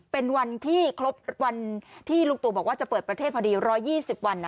เป็นวันที่ลูกตูบอกว่าจะเปิดประเทศพอดี๑๒๐วัน